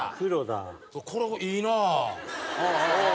これいいな。